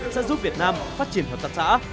sẽ giúp việt nam phát triển hợp tác xã